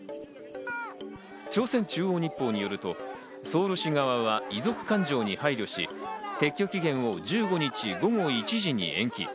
朝鮮中央日報によると、ソウル市側は遺族感情に配慮し、撤去期限を１５日の午後１時に延期。